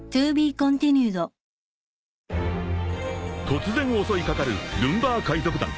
［突然襲い掛かるルンバー海賊団］